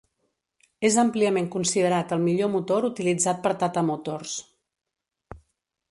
És àmpliament considerat el millor motor utilitzat per Tata Motors.